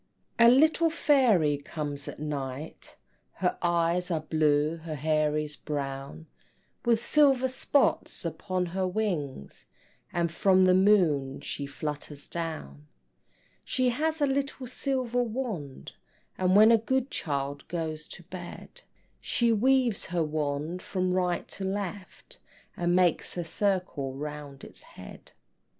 A little fairy comes at night, Her eyes are blue, her hair is brown, With silver spots upon her wings, And from the moon she flutters down. She has a little silver wand, And when a good child goes to bed She waves her wand from right to left, And makes a circle round its head.